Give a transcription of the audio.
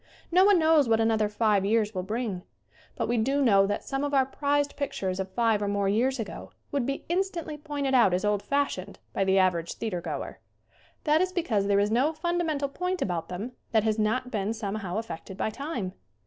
No one knows what another five years will bring. But we do know that some of our prized pictures of five or more years ago would be instantly pointed out as old fashioned by the average theater goer. That is because there is no fundamental point about them that has not been somehow affected by time.